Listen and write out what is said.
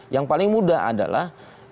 yang paling mudah adalah